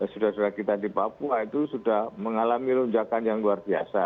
saudara saudara kita di papua itu sudah mengalami lonjakan yang luar biasa